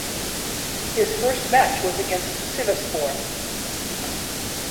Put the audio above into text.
His first match was against Sivasspor.